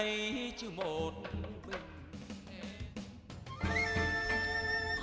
trên hành trình chinh phục dòng mã giang hùng vĩ